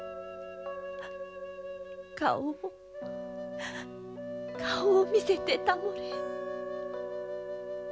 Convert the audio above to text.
顔を顔を見せてたもれ。